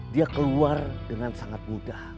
dia keluar dengan sangat mudah